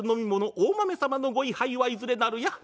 大豆様のご遺灰はいずれなるや？」。